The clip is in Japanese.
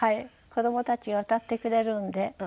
子どもたちが歌ってくれるので。